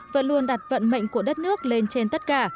vẫn luôn đặt vận mệnh của đất nước lên trên tất cả